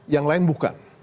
yang lain bukan